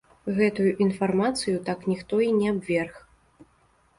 Гэтую інфармацыю так ніхто і не абверг.